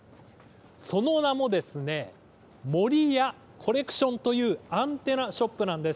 その名も、もりやコレクションというアンテナショップなんです。